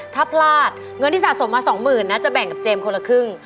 ถ้าพลาดเงินที่สะสมมาสองหมื่นนะจะแบ่งกับเจมส์คนละครึ่ง